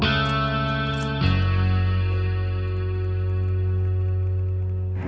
alia gak ada ajak rapat